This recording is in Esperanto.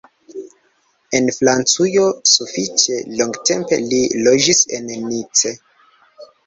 En Francujo sufiĉe longtempe li loĝis en Nice.